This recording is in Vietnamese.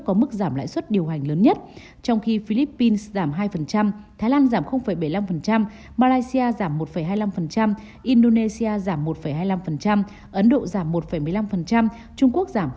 có mức giảm lãi suất điều hành lớn nhất trong khi philippines giảm hai thái lan giảm bảy mươi năm malaysia giảm một hai mươi năm indonesia giảm một hai mươi năm ấn độ giảm một một mươi năm trung quốc giảm hai